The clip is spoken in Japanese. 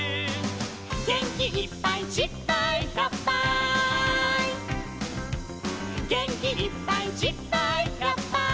「げんきいっぱいじっぱいひゃっぱい」「げんきいっぱいじっぱいひゃっぱい」